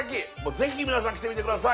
ぜひみなさん来てみてください